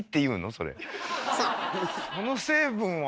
その成分は？